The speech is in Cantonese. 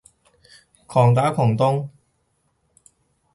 狂打狂咚